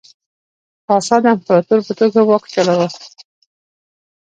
کاسا د امپراتور په توګه واک چلاوه.